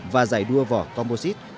và giải đua vỏ composite